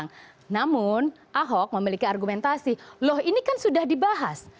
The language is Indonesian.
namun ahok memiliki argumentasi loh ini kan sudah dibahas